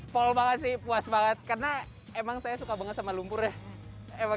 full banget sih puas banget karena emang saya suka banget sama lumpur ya